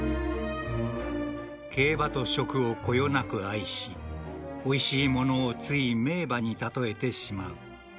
［競馬と食をこよなく愛しおいしいものをつい名馬に例えてしまう］